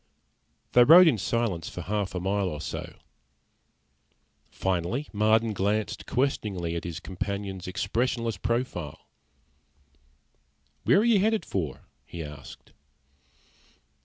They rode in silence for half a mile or so. Finally Marden glanced questioningly at his companion's expressionless profile. "Where are you headed for?" he asked.